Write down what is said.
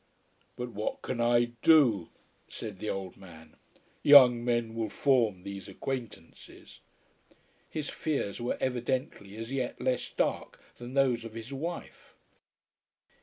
"But what can I do?" said the old man. "Young men will form these acquaintances." His fears were evidently as yet less dark than those of his wife.